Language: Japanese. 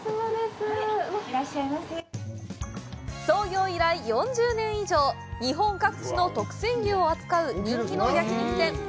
創業以来４０年以上、日本各地の特選牛を扱う人気の焼き肉店。